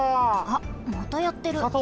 あっまたやってる。